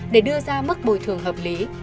để đưa ra mức bồi thường hợp lý